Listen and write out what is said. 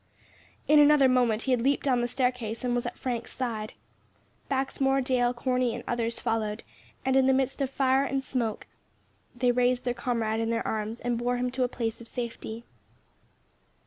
In another moment he had leaped down the staircase, and was at Frank's side. Baxmore, Dale, Corney, and others, followed, and, in the midst of fire and smoke, they raised their comrade in their arms and bore him to a place of safety.